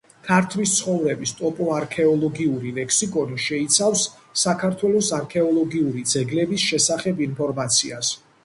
ქართლის ცხოვრების ტოპოარქეოლოგიური ლექსიკონი შეიცავს საქართველოს არქეოლოგიური ძეგლების შესახებ ინფორმაციას